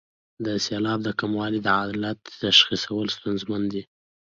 د سېلاب د کموالي د علت تشخیصول ستونزمن دي.